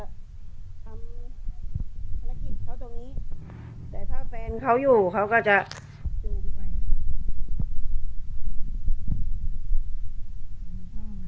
เขาตรงนี้แต่ถ้าแฟนเขาอยู่เขาก็จะจูบไปค่ะ